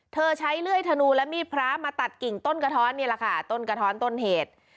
เธอใช้เลื่อยธนูและมีดพระมาตัดกิ่งต้นกระท้อนนี่แหละค่ะต้นกระท้อนต้นเหตุ